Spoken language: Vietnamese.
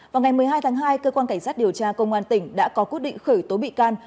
vào ngày một mươi hai tháng hai cơ quan cảnh sát điều tra công an tỉnh đã có quyết định khởi tố bị can